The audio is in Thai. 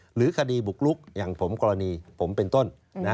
หรือคดีบุกลุกอย่างผมกรณีผมเป็นต้น